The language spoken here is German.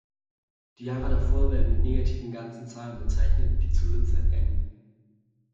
Die Jahre davor werden mit negativen ganzen Zahlen bezeichnet, die Zusätze „n.